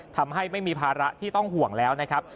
ทำให้ไม่มีภาระที่ต้องห่วงแล้วนะครับ